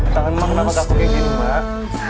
tangan mak kenapa gak begini mak